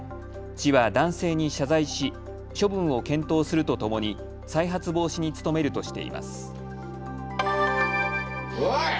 市は男性に謝罪し、処分を検討するとともに再発防止に努めるとしています。